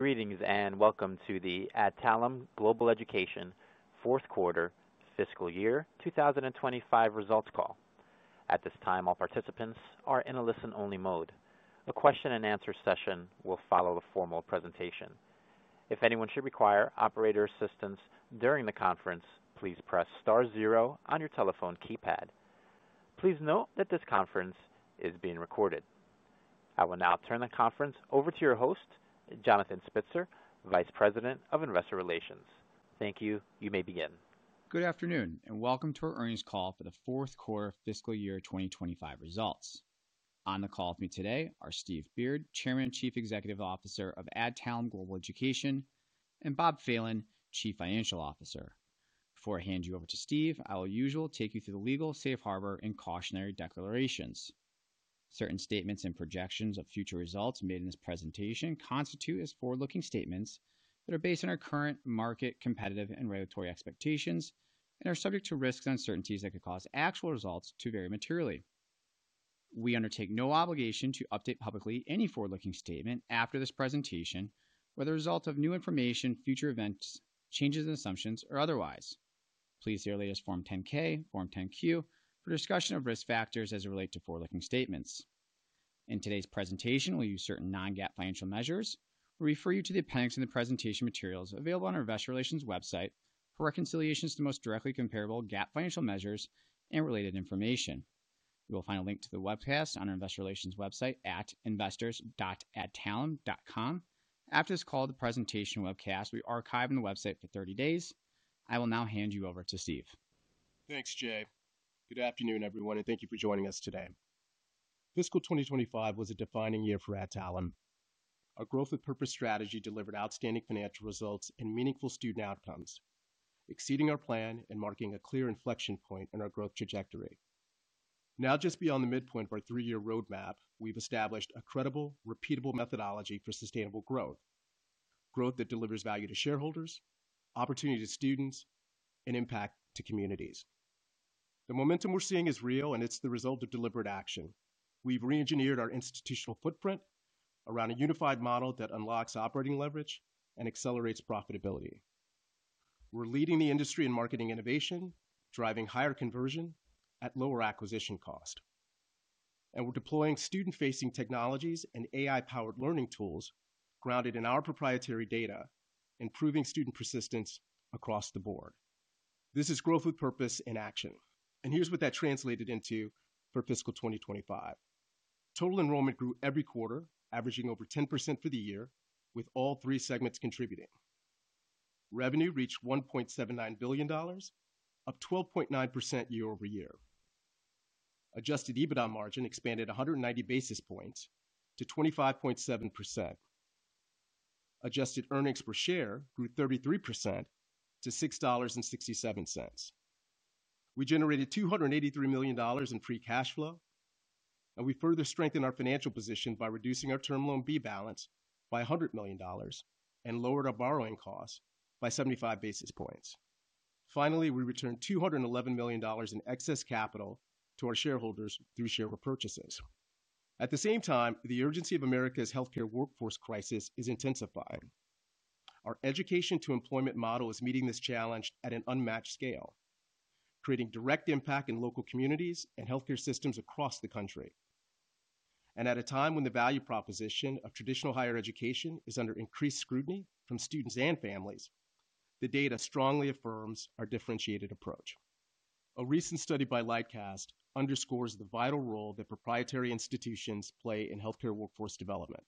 Greetings and welcome to the Adtalem Global Education Fourth Quarter Fiscal Year 2025 Results Call. At this time, all participants are in a listen-only mode. The question and answer session will follow a formal presentation. If anyone should require operator assistance during the conference, please press star zero on your telephone keypad. Please note that this conference is being recorded. I will now turn the conference over to your host, Jonathan Spitzer, Vice President of Investor Relations. Thank you. You may begin. Good afternoon and welcome to our earnings call for the fourth quarter fiscal year 2025 results. On the call with me today are Steve Beard, Chairman and Chief Executive Officer of Adtalem Global Education, and Bob Phelan, Chief Financial Officer. Before I hand you over to Steve, I will, as usual, take you through the legal safe harbor and cautionary declarations. Certain statements and projections of future results made in this presentation constitute forward-looking statements that are based on our current market, competitive, and regulatory expectations and are subject to risks and uncertainties that could cause actual results to vary materially. We undertake no obligation to update publicly any forward-looking statement after this presentation as a result of new information, future events, changes in assumptions, or otherwise. Please see our latest Form 10-K, Form 10-Q for discussion of risk factors as they relate to forward-looking statements. In today's presentation, we'll use certain non-GAAP financial measures. We refer you to the appendix in the presentation materials available on our Investor Relations website for reconciliations to the most directly comparable GAAP financial measures and related information. You'll find a link to the webcast on our Investor Relations website at investors.adtalem.com. After this call, the presentation webcast will be archived on the website for 30 days. I will now hand you over to Steve. Thanks, Jay. Good afternoon, everyone, and thank you for joining us today. Fiscal 2025 was a defining year for Adtalem. Our Growth with Purpose strategy delivered outstanding financial results and meaningful student outcomes, exceeding our plan and marking a clear inflection point on our growth trajectory. Now, just beyond the midpoint of our three-year roadmap, we've established a credible, repeatable methodology for sustainable growth, growth that delivers value to shareholders, opportunity to students, and impact to communities. The momentum we're seeing is real, and it's the result of deliberate action. We've re-engineered our institutional footprint around a unified model that unlocks operating leverage and accelerates profitability. We're leading the industry in marketing innovation, driving higher conversion at lower acquisition cost. We're deploying student-facing technologies and AI-powered learning tools grounded in our proprietary data and proving student persistence across the board. This is Growth with Purpose in action. Here's what that translated into for fiscal 2025. Total enrollment grew every quarter, averaging over 10% for the year, with all three segments contributing. Revenue reached $1.79 billion, up 12.9% year-over-year. Adjusted EBITDA margin expanded 190 basis points to 25.7%. Adjusted earnings per share grew 33% to $6.67. We generated $283 million in free cash flow, and we further strengthened our financial position by reducing our Term Loan B balance by $100 million and lowered our borrowing cost by 75 basis points. Finally, we returned $211 million in excess capital to our shareholders through share repurchases. At the same time, the urgency of America's healthcare workforce crisis is intensified. Our education-to-employment model is meeting this challenge at an unmatched scale, creating direct impact in local communities and healthcare systems across the country. At a time when the value proposition of traditional higher education is under increased scrutiny from students and families, the data strongly affirms our differentiated approach. A recent study by Lightcast underscores the vital role that proprietary institutions play in healthcare workforce development.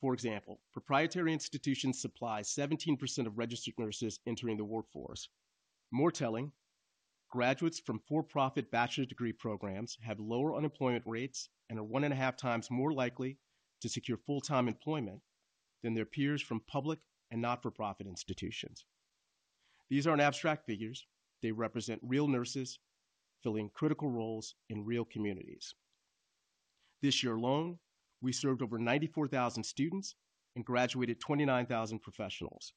For example, proprietary institutions supply 17% of registered nurses entering the workforce. More telling, graduates from for-profit bachelor's degree programs have lower unemployment rates and are 1.5x more likely to secure full-time employment than their peers from public and not-for-profit institutions. These aren't abstract figures; they represent real nurses filling critical roles in real communities. This year alone, we served over 94,000 students and graduated 29,000 professionals.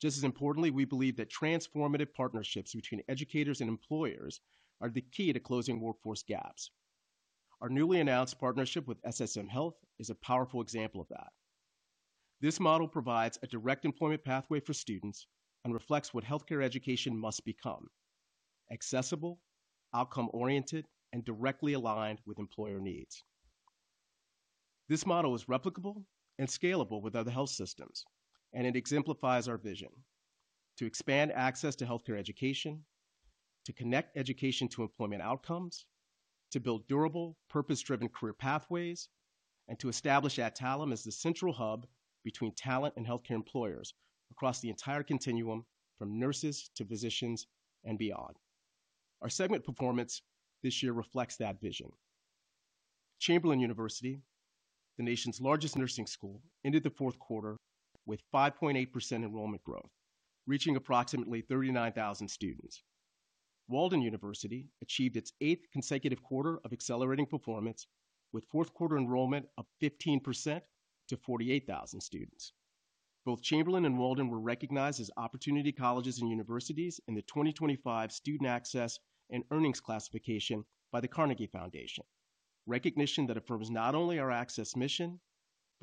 Just as importantly, we believe that transformative partnerships between educators and employers are the key to closing workforce gaps. Our newly announced partnership with SSM Health is a powerful example of that. This model provides a direct employment pathway for students and reflects what healthcare education must become: accessible, outcome-oriented, and directly aligned with employer needs. This model is replicable and scalable with other health systems, and it exemplifies our vision to expand access to healthcare education, to connect education to employment outcomes, to build durable, purpose-driven career pathways, and to establish Adtalem as the central hub between talent and healthcare employers across the entire continuum from nurses to physicians and beyond. Our segment performance this year reflects that vision. Chamberlain University, the nation's largest nursing school, ended the fourth quarter with 5.8% enrollment growth, reaching approximately 39,000 students. Walden University achieved its eighth consecutive quarter of accelerating performance, with fourth-quarter enrollment up 15% to 48,000 students. Both Chamberlain and Walden were recognized as opportunity colleges and universities in the 2025 Student Access and Earnings Classification by the Carnegie Foundation, recognition that affirms not only our access mission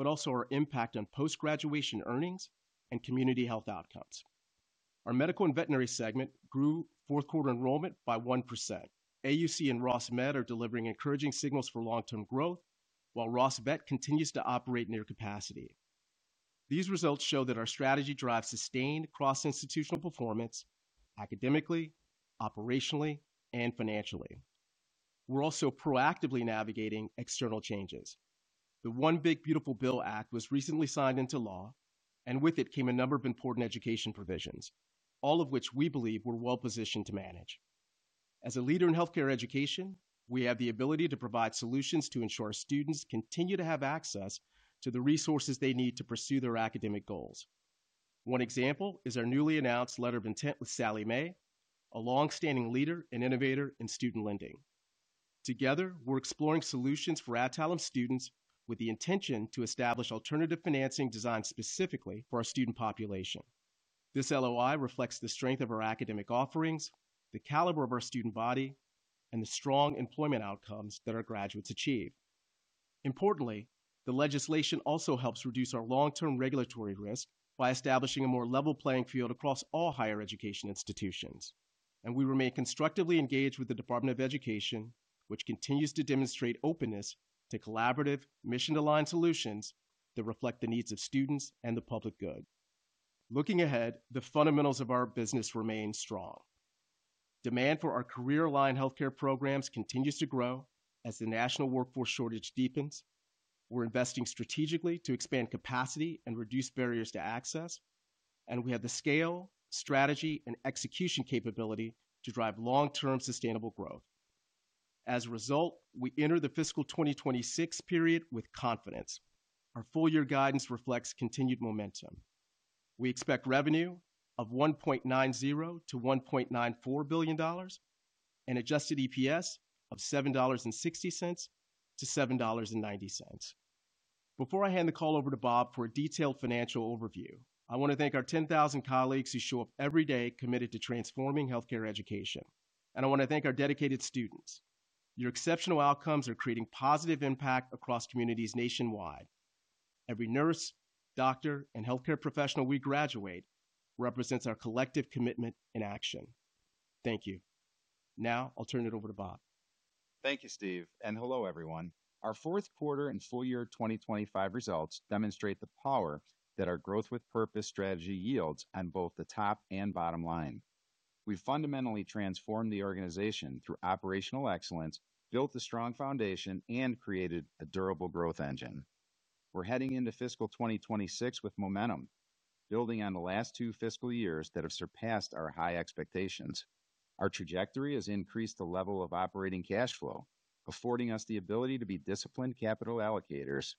but also our impact on post-graduation earnings and community health outcomes. Our medical and veterinary segment grew fourth-quarter enrollment by 1%. AUC and Ross Med are delivering encouraging signals for long-term growth, while Ross Med continues to operate near capacity. These results show that our strategy drives sustained cross-institutional performance academically, operationally, and financially. We're also proactively navigating external changes. The One Big Beautiful Bill Act was recently signed into law, and with it came a number of important education provisions, all of which we believe we're well-positioned to manage. As a leader in healthcare education, we have the ability to provide solutions to ensure students continue to have access to the resources they need to pursue their academic goals. One example is our newly announced letter of intent with Sallie Mae, a longstanding leader and innovator in student lending. Together, we're exploring solutions for Adtalem students with the intention to establish alternative financing designed specifically for our student population. This LOI reflects the strength of our academic offerings, the caliber of our student body, and the strong employment outcomes that our graduates achieve. Importantly, the legislation also helps reduce our long-term regulatory risk by establishing a more level playing field across all higher education institutions. We remain constructively engaged with the Department of Education, which continues to demonstrate openness to collaborative, mission-aligned solutions that reflect the needs of students and the public good. Looking ahead, the fundamentals of our business remain strong. Demand for our career-aligned healthcare programs continues to grow as the national workforce shortage deepens. We're investing strategically to expand capacity and reduce barriers to access. We have the scale, strategy, and execution capability to drive long-term sustainable growth. As a result, we enter the fiscal 2026 period with confidence. Our full-year guidance reflects continued momentum. We expect revenue of $1.90 billion-$1.94 billion and adjusted EPS of $7.60-$7.90. Before I hand the call over to Bob for a detailed financial overview, I want to thank our 10,000 colleagues who show up every day committed to transforming healthcare education. I want to thank our dedicated students. Your exceptional outcomes are creating positive impact across communities nationwide. Every nurse, doctor, and healthcare professional we graduate represents our collective commitment and action. Thank you. Now I'll turn it over to Bob. Thank you, Steve, and hello, everyone. Our fourth quarter and full-year 2025 results demonstrate the power that our Growth with Purpose strategy yields on both the top and bottom line. We've fundamentally transformed the organization through operational excellence, built a strong foundation, and created a durable growth engine. We're heading into fiscal 2026 with momentum, building on the last two fiscal years that have surpassed our high expectations. Our trajectory has increased the level of operating cash flow, affording us the ability to be disciplined capital allocators.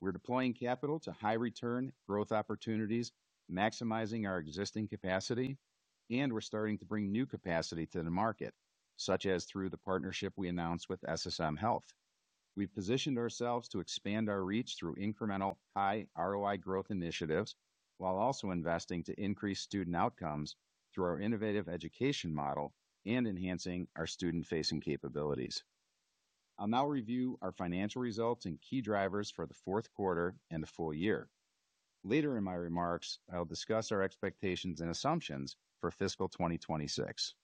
We're deploying capital to high-return growth opportunities, maximizing our existing capacity, and we're starting to bring new capacity to the market, such as through the partnership we announced with SSM Health. We've positioned ourselves to expand our reach through incremental, high ROI growth initiatives, while also investing to increase student outcomes through our innovative education model and enhancing our student-facing capabilities. I'll now review our financial results and key drivers for the fourth quarter and the full year. Later in my remarks, I'll discuss our expectations and assumptions for fiscal 2026.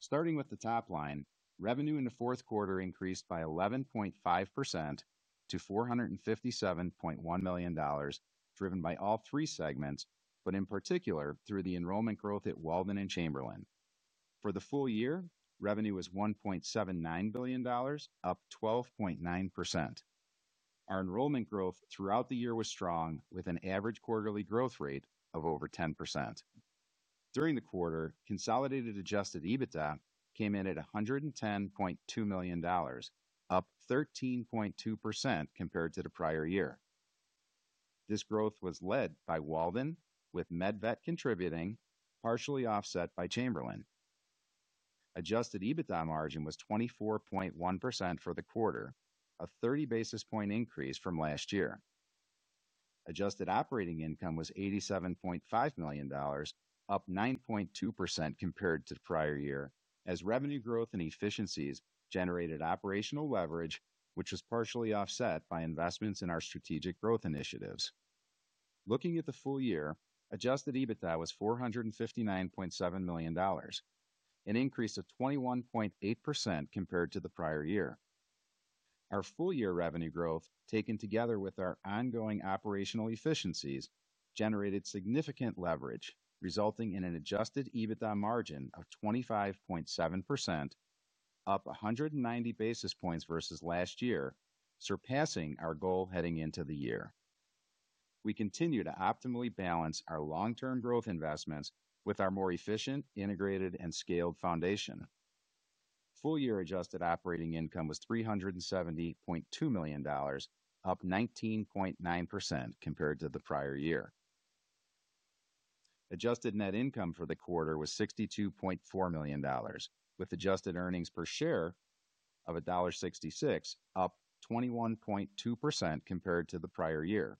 Starting with the top line, revenue in the fourth quarter increased by 11.5% to $457.1 million, driven by all three segments, but in particular through the enrollment growth at Walden and Chamberlain. For the full year, revenue was $1.79 billion, up 12.9%. Our enrollment growth throughout the year was strong, with an average quarterly growth rate of over 10%. During the quarter, consolidated adjusted EBITDA came in at $110.2 million, up 13.2% compared to the prior year. This growth was led by Walden, with Med/Vet contributing, partially offset by Chamberlain. Adjusted EBITDA margin was 24.1% for the quarter, a 30 basis point increase from last year. Adjusted operating income was $87.5 million, up 9.2% compared to the prior year, as revenue growth and efficiencies generated operational leverage, which was partially offset by investments in our strategic growth initiatives. Looking at the full year, adjusted EBITDA was $459.7 million, an increase of 21.8% compared to the prior year. Our full-year revenue growth, taken together with our ongoing operational efficiencies, generated significant leverage, resulting in an adjusted EBITDA margin of 25.7%, up 190 basis points versus last year, surpassing our goal heading into the year. We continue to optimally balance our long-term growth investments with our more efficient, integrated, and scaled foundation. Full-year adjusted operating income was $370.2 million, up 19.9% compared to the prior year. Adjusted net income for the quarter was $62.4 million, with adjusted earnings per share of $1.66, up 21.2% compared to the prior year.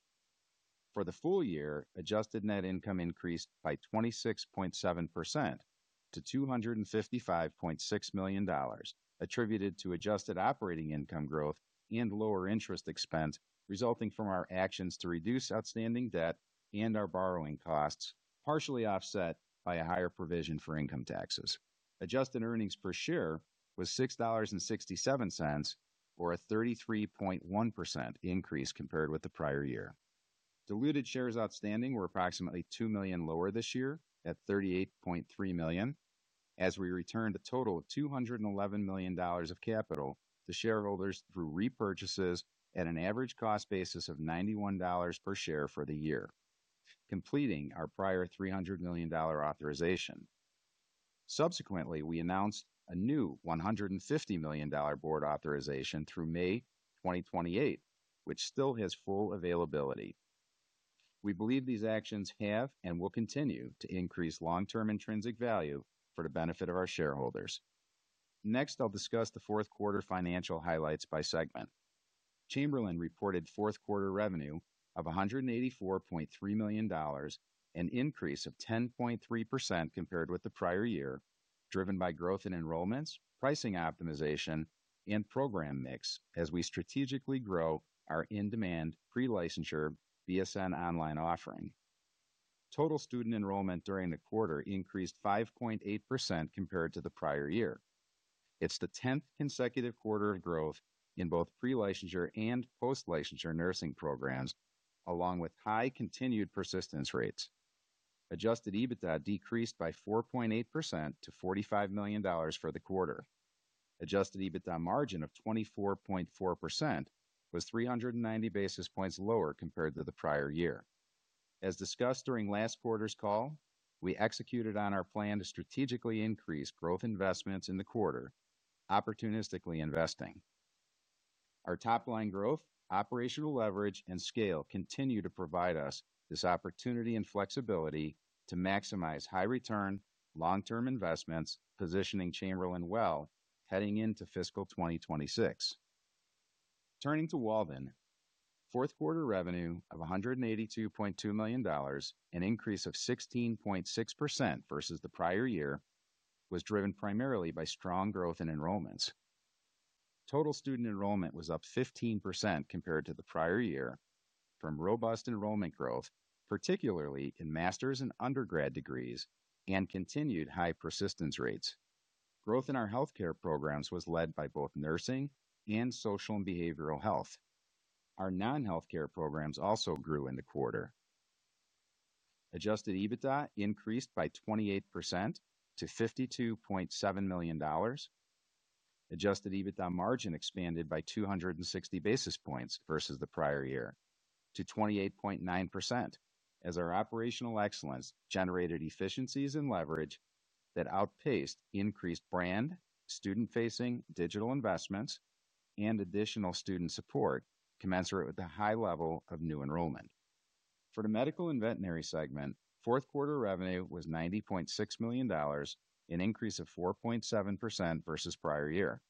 For the full year, adjusted net income increased by 26.7% to $255.6 million, attributed to adjusted operating income growth and lower interest expense resulting from our actions to reduce outstanding debt and our borrowing costs, partially offset by a higher provision for income taxes. Adjusted earnings per share was $6.67, or a 33.1% increase compared with the prior year. Diluted shares outstanding were approximately 2 million lower this year at 38.3 million, as we returned a total of $211 million of capital to shareholders through repurchases at an average cost basis of $91 per share for the year, completing our prior $300 million authorization. Subsequently, we announced a new $150 million board authorization through May 2028, which still has full availability. We believe these actions have and will continue to increase long-term intrinsic value for the benefit of our shareholders. Next, I'll discuss the fourth quarter financial highlights by segment. Chamberlain reported fourth quarter revenue of $184.3 million, an increase of 10.3% compared with the prior year, driven by growth in enrollments, pricing optimization, and program mix as we strategically grow our in-demand pre-licensure BSN online offering. Total student enrollment during the quarter increased 5.8% compared to the prior year. It's the 10th consecutive quarter of growth in both pre-licensure and post-licensure nursing programs, along with high continued persistence rates. Adjusted EBITDA decreased by 4.8% to $45 million for the quarter. Adjusted EBITDA margin of 24.4% was 390 basis points lower compared to the prior year. As discussed during last quarter's call, we executed on our plan to strategically increase growth investments in the quarter, opportunistically investing. Our top line growth, operational leverage, and scale continue to provide us this opportunity and flexibility to maximize high return, long-term investments, positioning Chamberlain well heading into fiscal 2026. Turning to Walden, fourth quarter revenue of $182.2 million, an increase of 16.6% versus the prior year, was driven primarily by strong growth in enrollments. Total student enrollment was up 15% compared to the prior year, from robust enrollment growth, particularly in master's and undergrad degrees, and continued high persistence rates. Growth in our healthcare programs was led by both nursing and social and behavioral health. Our non-healthcare programs also grew in the quarter. Adjusted EBITDA increased by 28% to $52.7 million. Adjusted EBITDA margin expanded by 260 basis points versus the prior year to 28.9%, as our operational excellence generated efficiencies and leverage that outpaced increased brand, student-facing, digital investments, and additional student support, commensurate with the high level of new enrollment. For the medical and veterinary segment, fourth quarter revenue was $90.6 million, an increase of 4.7% versus prior year.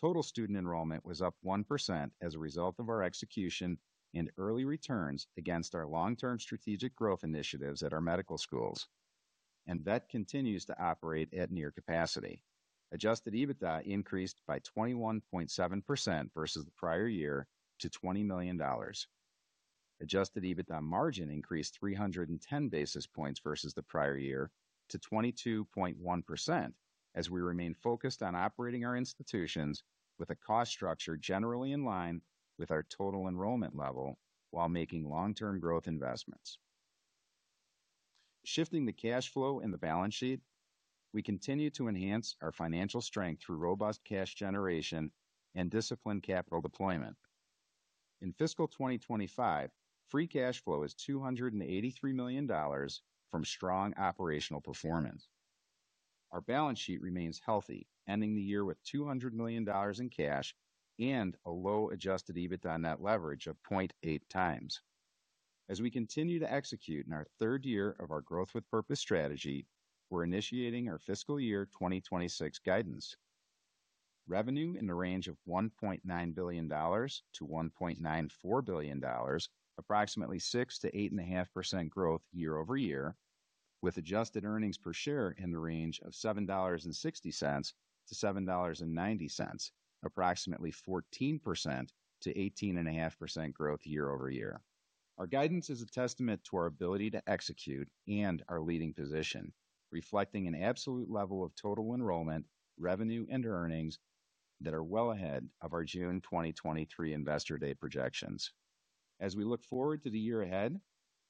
Total student enrollment was up 1% as a result of our execution and early returns against our long-term strategic growth initiatives at our medical schools. Vet continues to operate at near capacity. Adjusted EBITDA increased by 21.7% versus the prior year to $20 million. Adjusted EBITDA margin increased 310 basis points versus the prior year to 22.1%, as we remain focused on operating our institutions with a cost structure generally in line with our total enrollment level while making long-term growth investments. Shifting to cash flow and the balance sheet, we continue to enhance our financial strength through robust cash generation and disciplined capital deployment. In fiscal 2025, free cash flow is $283 million from strong operational performance. Our balance sheet remains healthy, ending the year with $200 million in cash and a low adjusted EBITDA net leverage of 0.8x As we continue to execute in our third year of our Growth with Purpose strategy, we're initiating our fiscal year 2026 guidance. Revenue in the range of $1.9 billion-$1.94 billion, approximately 6%-8.5% growth year-over-year, with adjusted earnings per share in the range of $7.60-$7.90, approximately 14%-18.5% growth year-over-year. Our guidance is a testament to our ability to execute and our leading position, reflecting an absolute level of total enrollment, revenue, and earnings that are well ahead of our June 2023 Investor Day projections. As we look forward to the year ahead,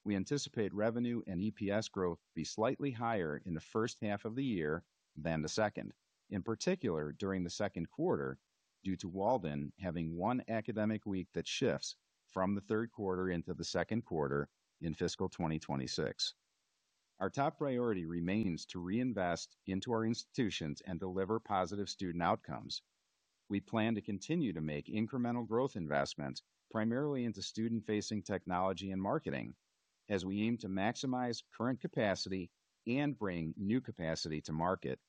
we anticipate revenue and EPS growth to be slightly higher in the first half of the year than the second, in particular during the second quarter, due to Walden having one academic week that shifts from the third quarter into the second quarter in fiscal 2026. Our top priority remains to reinvest into our institutions and deliver positive student outcomes. We plan to continue to make incremental growth investments, primarily into student-facing technology and marketing, as we aim to maximize current capacity and bring new capacity to market,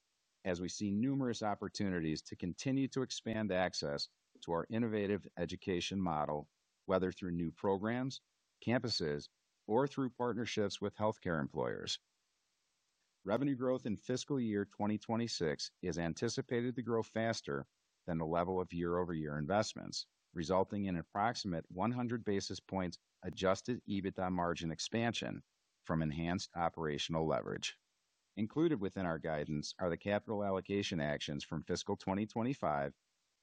as we see numerous opportunities to continue to expand access to our innovative education model, whether through new programs, campuses, or through partnerships with healthcare employers. Revenue growth in fiscal year 2026 is anticipated to grow faster than the level of year-over-year investments, resulting in an approximate 100 basis points adjusted EBITDA margin expansion from enhanced operational leverage. Included within our guidance are the capital allocation actions from fiscal 2025,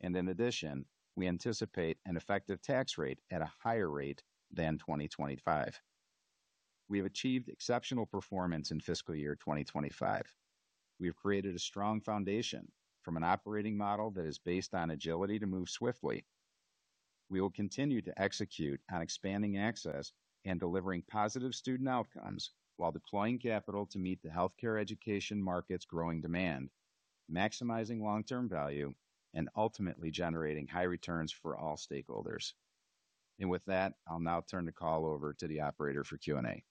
and in addition, we anticipate an effective tax rate at a higher rate than 2025. We have achieved exceptional performance in fiscal year 2025. We've created a strong foundation from an operating model that is based on agility to move swiftly. We will continue to execute on expanding access and delivering positive student outcomes while deploying capital to meet the healthcare education market's growing demand, maximizing long-term value, and ultimately generating high returns for all stakeholders. I'll now turn the call over to the operator for Q&A.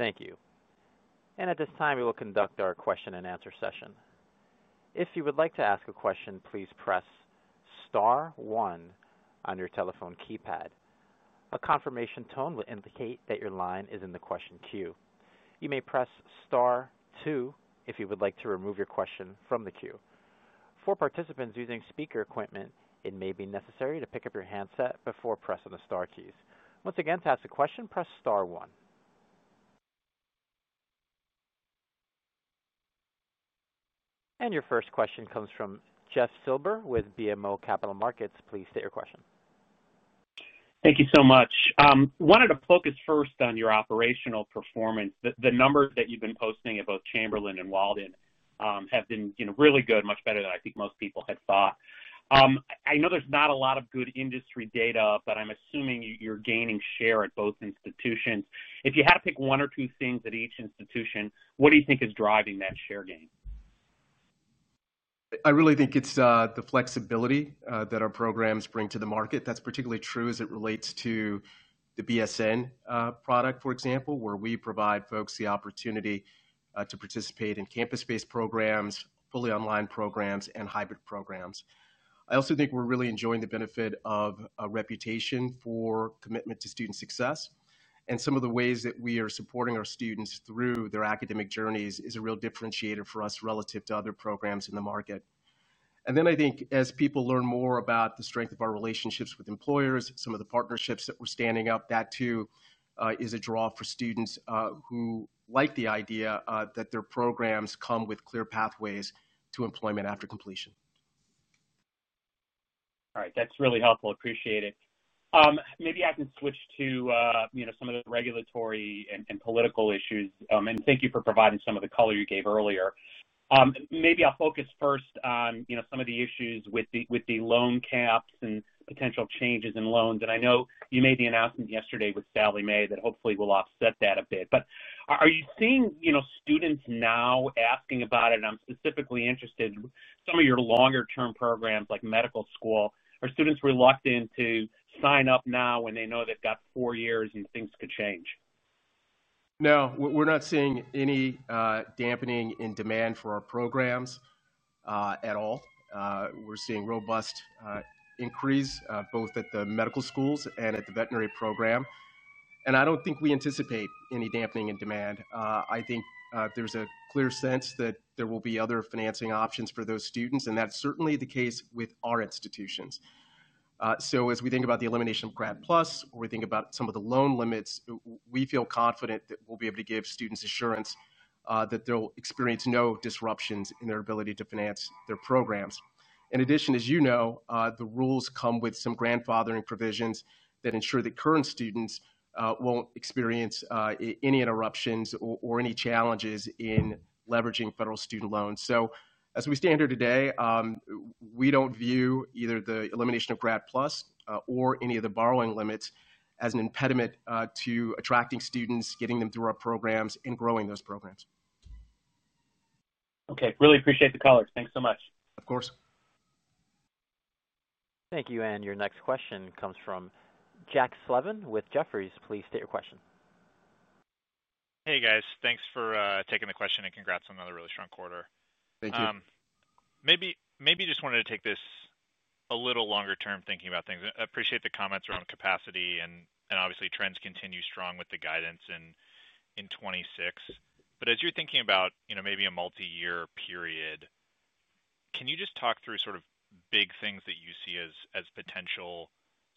Thank you. At this time, we will conduct our question and answer session. If you would like to ask a question, please press star one on your telephone keypad. A confirmation tone will indicate that your line is in the question queue. You may press star two if you would like to remove your question from the queue. For participants using speaker equipment, it may be necessary to pick up your handset before pressing the star keys. Once again, to ask a question, press star one. Your first question comes from Jeff Silber with BMO Capital Markets. Please state your question. Thank you so much. I wanted to focus first on your operational performance. The numbers that you've been posting at both Chamberlain and Walden have been really good, much better than I think most people had thought. I know there's not a lot of good industry data, but I'm assuming you're gaining share at both institutions. If you had to pick one or two things at each institution, what do you think is driving that share gain? I really think it's the flexibility that our programs bring to the market. That's particularly true as it relates to the BSN product, for example, where we provide folks the opportunity to participate in campus-based programs, fully online programs, and hybrid programs. I also think we're really enjoying the benefit of a reputation for commitment to student success. Some of the ways that we are supporting our students through their academic journeys is a real differentiator for us relative to other programs in the market. I think as people learn more about the strength of our relationships with employers, some of the partnerships that we're standing up, that too is a draw for students who like the idea that their programs come with clear pathways to employment after completion. All right, that's really helpful. Appreciate it. Maybe I can switch to some of the regulatory and political issues, and thank you for providing some of the color you gave earlier. Maybe I'll focus first on some of the issues with the loan caps and potential changes in loans. I know you made the announcement yesterday with Sallie Mae that hopefully will offset that a bit. Are you seeing students now asking about it? I'm specifically interested in some of your longer-term programs like medical school. Are students reluctant to sign up now when they know they've got four years and things could change? No, we're not seeing any dampening in demand for our programs at all. We're seeing a robust increase both at the medical schools and at the veterinary program. I don't think we anticipate any dampening in demand. I think there's a clear sense that there will be other financing options for those students, and that's certainly the case with our institutions. As we think about the elimination of Grad PLUS or we think about some of the loan limits, we feel confident that we'll be able to give students assurance that they'll experience no disruptions in their ability to finance their programs. In addition, as you know, the rules come with some grandfathering provisions that ensure that current students won't experience any interruptions or any challenges in leveraging federal student loans. As we stand here today, we don't view either the elimination of Grad PLUS or any of the borrowing limits as an impediment to attracting students, getting them through our programs, and growing those programs. OK, really appreciate the call. Thanks so much. Of course. Thank you. Your next question comes from Jack Slevin with Jefferies. Please state your question. Hey, guys. Thanks for taking the question, and congrats on another really strong quarter. Thank you. Maybe just wanted to take this a little longer term, thinking about things. I appreciate the comments around capacity, and obviously trends continue strong with the guidance in 2026. As you're thinking about maybe a multi-year period, can you just talk through sort of big things that you see as potential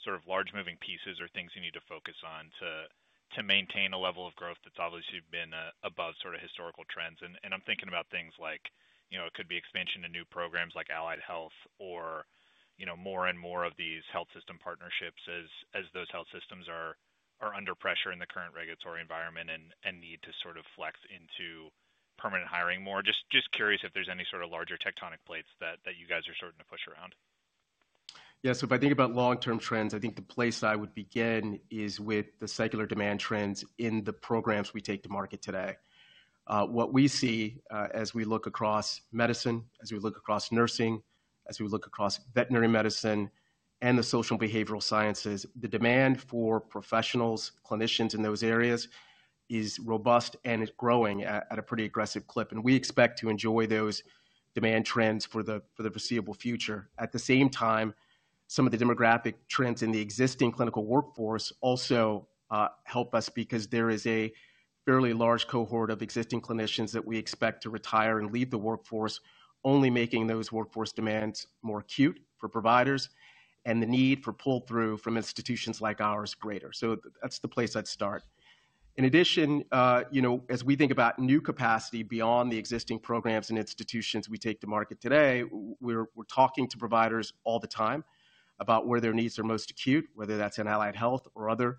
sort of large moving pieces or things you need to focus on to maintain a level of growth that's obviously been above sort of historical trends? I'm thinking about things like it could be expansion to new programs like Allied Health or more and more of these health system partnerships as those health systems are under pressure in the current regulatory environment and need to sort of flex into permanent hiring more. Just curious if there's any sort of larger tectonic plates that you guys are starting to push around. Yeah, so if I think about long-term trends, I think the place I would begin is with the secular demand trends in the programs we take to market today. What we see as we look across medicine, as we look across nursing, as we look across veterinary medicine, and the social and behavioral sciences, the demand for professionals, clinicians in those areas is robust and is growing at a pretty aggressive clip. We expect to enjoy those demand trends for the foreseeable future. At the same time, some of the demographic trends in the existing clinical workforce also help us because there is a fairly large cohort of existing clinicians that we expect to retire and leave the workforce, only making those workforce demands more acute for providers and the need for pull-through from institutions like ours greater. That's the place I'd start. In addition, as we think about new capacity beyond the existing programs and institutions we take to market today, we're talking to providers all the time about where their needs are most acute, whether that's in allied health or other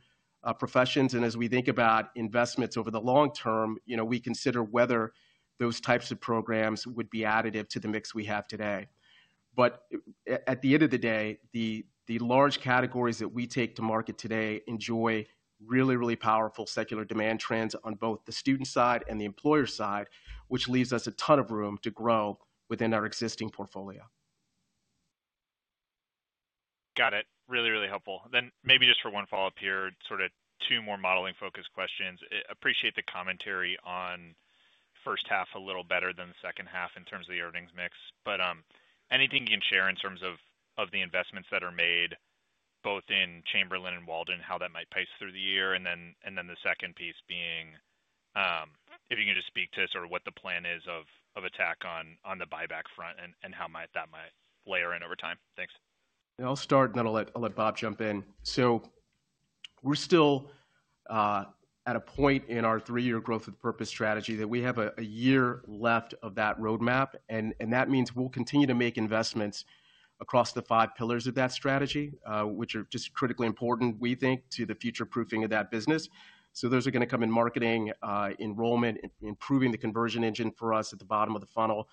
professions. As we think about investments over the long term, we consider whether those types of programs would be additive to the mix we have today. At the end of the day, the large categories that we take to market today enjoy really, really powerful secular demand trends on both the student side and the employer side, which leaves us a ton of room to grow within our existing portfolio. Got it. Really, really helpful. Maybe just for one follow-up here, sort of two more modeling-focused questions. I appreciate the commentary on the first half a little better than the second half in terms of the earnings mix. Anything you can share in terms of the investments that are made both in Chamberlain and Walden, how that might pace through the year, and the second piece being if you can just speak to sort of what the plan is of attack on the buyback front and how that might layer in over time. Thanks. Yeah, I'll start, and then I'll let Bob jump in. We're still at a point in our three-year Growth with Purpose strategy that we have a year left of that roadmap. That means we'll continue to make investments across the five pillars of that strategy, which are just critically important, we think, to the future proofing of that business. Those are going to come in marketing, enrollment, improving the conversion engine for us at the bottom of the funnel,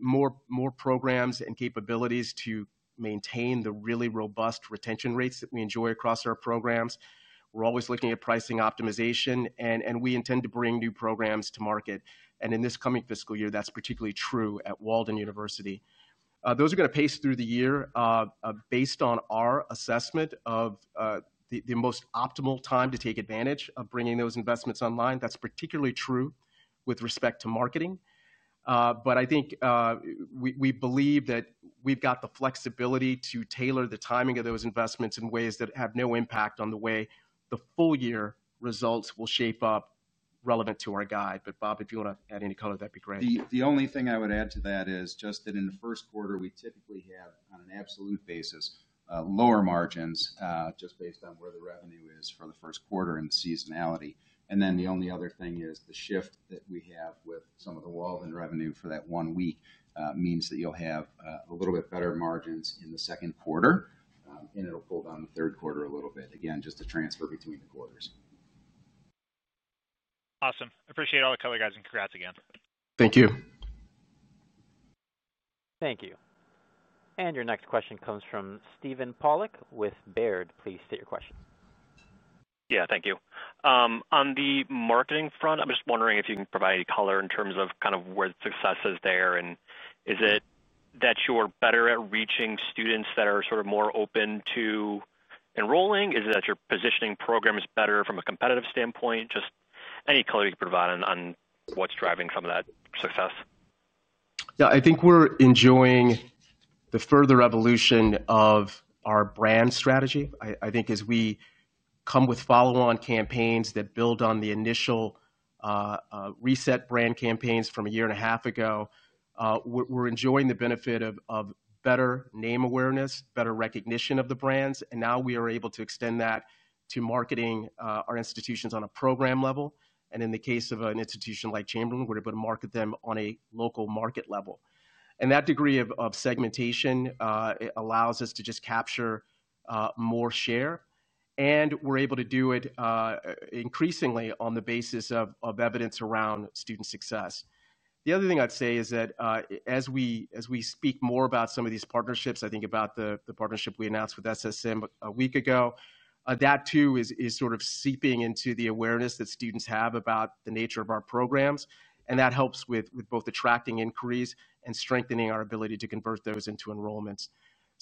more programs and capabilities to maintain the really robust retention rates that we enjoy across our programs. We're always looking at pricing optimization, and we intend to bring new programs to market. In this coming fiscal year, that's particularly true at Walden University. Those are going to pace through the year based on our assessment of the most optimal time to take advantage of bringing those investments online. That's particularly true with respect to marketing. I think we believe that we've got the flexibility to tailor the timing of those investments in ways that have no impact on the way the full year results will shape up relevant to our guide. Bob, if you want to add any color, that'd be great. The only thing I would add to that is just that in the first quarter, we typically have, on an absolute basis, lower margins just based on where the revenue is from the first quarter and seasonality. The only other thing is the shift that we have with some of the Walden revenue for that one week means that you'll have a little bit better margins in the second quarter, and it'll pull down the third quarter a little bit, again, just a transfer between the quarters. Awesome. I appreciate all the color, guys, and congrats again. Thank you. Thank you. Your next question comes from Steven Pawlak with Baird. Please state your question. Thank you. On the marketing front, I'm just wondering if you can provide color in terms of where the success is there. Is it that you're better at reaching students that are sort of more open to enrolling? Is it that you're positioning programs better from a competitive standpoint? Any color you can provide on what's driving some of that success. Yeah, I think we're enjoying the further evolution of our brand strategy. I think as we come with follow-on campaigns that build on the initial reset brand campaigns from a year and a half ago, we're enjoying the benefit of better name awareness, better recognition of the brands. Now we are able to extend that to marketing our institutions on a program level. In the case of an institution like Chamberlain, we're able to market them on a local market level. That degree of segmentation allows us to just capture more share, and we're able to do it increasingly on the basis of evidence around student success. The other thing I'd say is that as we speak more about some of these partnerships, I think about the partnership we announced with SSM Health a week ago, that too is sort of seeping into the awareness that students have about the nature of our programs. That helps with both attracting inquiries and strengthening our ability to convert those into enrollments.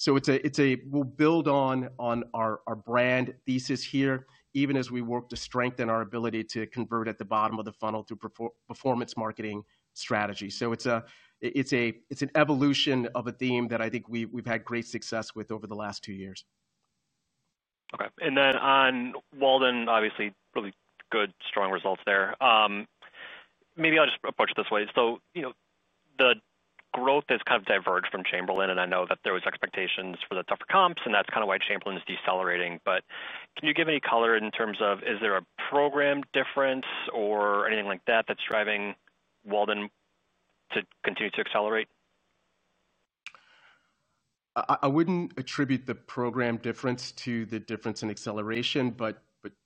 We'll build on our brand thesis here, even as we work to strengthen our ability to convert at the bottom of the funnel to performance marketing strategy. It's an evolution of a theme that I think we've had great success with over the last two years. OK. On Walden, obviously probably good, strong results there. Maybe I'll just approach it this way. The growth has kind of diverged from Chamberlain, and I know that there were expectations for the tougher comps, and that's kind of why Chamberlain is decelerating. Can you give any color in terms of is there a program difference or anything like that that's driving Walden to continue to accelerate? I wouldn't attribute the program difference to the difference in acceleration.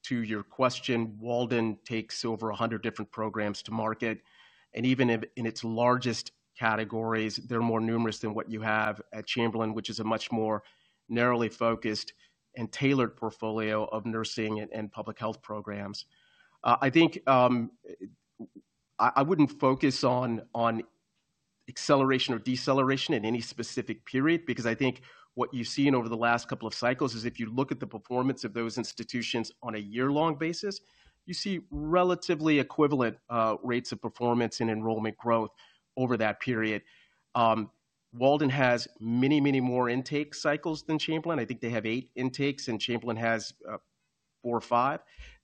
To your question, Walden takes over 100 different programs to market, and even in its largest categories, they're more numerous than what you have at Chamberlain, which is a much more narrowly focused and tailored portfolio of nursing and public health programs. I think I wouldn't focus on acceleration or deceleration in any specific period because I think what you've seen over the last couple of cycles is if you look at the performance of those institutions on a year-long basis, you see relatively equivalent rates of performance and enrollment growth over that period. Walden has many, many more intake cycles than Chamberlain. I think they have eight intakes, and Chamberlain has four or five.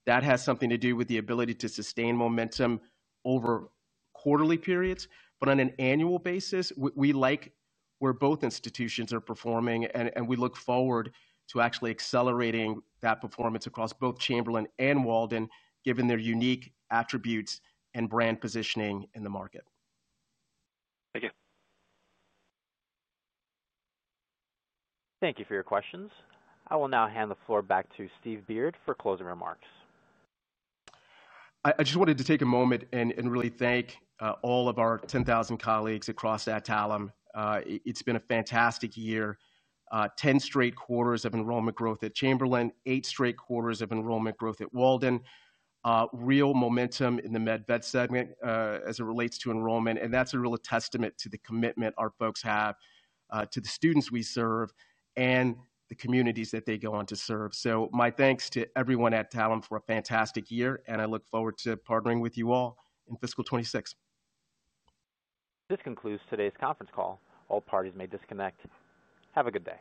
That has something to do with the ability to sustain momentum over quarterly periods. On an annual basis, we like where both institutions are performing, and we look forward to actually accelerating that performance across both Chamberlain and Walden, given their unique attributes and brand positioning in the market. Thank you. Thank you for your questions. I will now hand the floor back to Steve Beard for closing remarks. I just wanted to take a moment and really thank all of our 10,000 colleagues across Adtalem. It's been a fantastic year, 10 straight quarters of enrollment growth at Chamberlain, eight straight quarters of enrollment growth at Walden, real momentum in the Med/Vet segment as it relates to enrollment. That is a real testament to the commitment our folks have to the students we serve and the communities that they go on to serve. My thanks to everyone at Adtalem for a fantastic year, and I look forward to partnering with you all in fiscal 2026. This concludes today's conference call. All parties may disconnect. Have a good day.